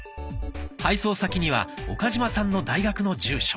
配送先には岡嶋さんの大学の住所。